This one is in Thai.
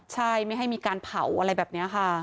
ใช่ไม่ให้มีการเผาอะไรแบบนี้ค่ะ